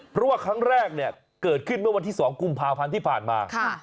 เพราะว่าครั้งแรกเนี่ยเกิดขึ้นเมื่อวันที่๒กุมภาพันธ์ที่ผ่านมา